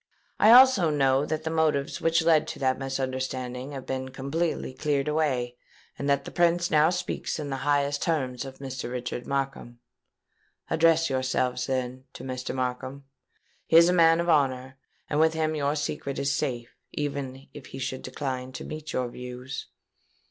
I also know that the motives which led to that misunderstanding have been completely cleared away, and that the Prince now speaks in the highest terms of Mr. Richard Markham. Address yourselves, then, to Mr. Markham: he is a man of honour; and with him your secret is safe, even if he should decline to meet your views.'